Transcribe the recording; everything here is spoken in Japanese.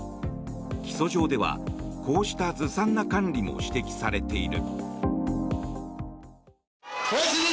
起訴状ではこうしたずさんな管理も指摘されている。